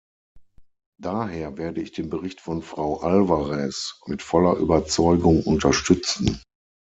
Daher werde ich den Bericht von Frau Alvarez mit voller Überzeugung unterstützen.